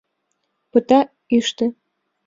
Пота — ӱштӧ.